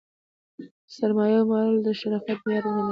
سرمایه او مال د شرافت معیار ګڼل اصل نه دئ.